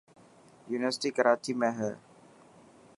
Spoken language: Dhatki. يونيورسٽي ڪراچي ۾ هي.